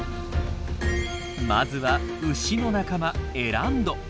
まずは牛の仲間エランド。